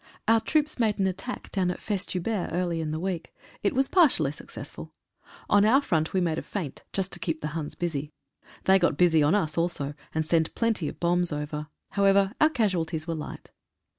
Our troops made an attack down at Festubert early in the week. It was partially successful. On our front we made a feint, just to keep the Huns busy. They got busy on us also, and sent plenty of bombs over. However, our casualties were light.